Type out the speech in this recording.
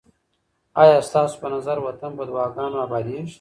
آیا ستاسو په نظر وطن په دعاګانو اباديږي؟